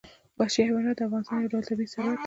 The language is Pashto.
وحشي حیوانات د افغانستان یو ډول طبعي ثروت دی.